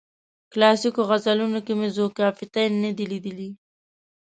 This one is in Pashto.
کلاسیکو غزلونو کې مې ذوقافیتین نه دی لیدلی.